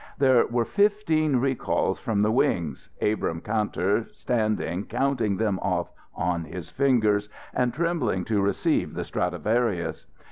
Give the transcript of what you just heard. There were fifteen recalls from the wings, Abrahm Kantor standing counting them off on his fingers, and trembling to receive the Stradivarius.